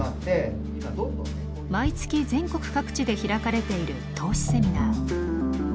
毎月全国各地で開かれている投資セミナー。